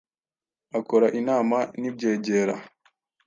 akora inama n’ibyegera